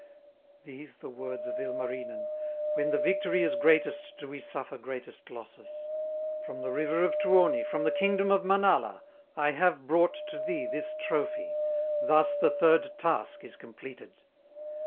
These the words of Ilmarinen: "When the victory is greatest, Do we suffer greatest losses! From the river of Tuoni, From the kingdom of Manala, I have brought to thee this trophy, Thus the third task is completed.